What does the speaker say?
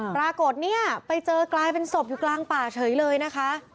ปรากฏเนี่ยไปเจอกลายเป็นศพอยู่กลางป่าเฉยเลยนะคะ